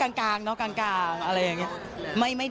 กลางเนอะกลางอะไรอย่างนี้